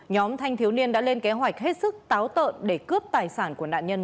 nhóm thanh thiếu niên đã lên kế hoạch hết sức táo tợn để cướp tài sản của nạn nhân